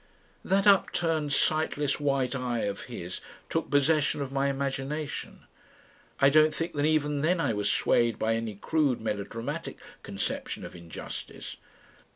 That upturned sightless white eye of his took possession of my imagination. I don't think that even then I was swayed by any crude melodramatic conception of injustice.